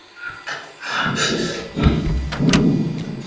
金祝专线是上海市的一条公交路线。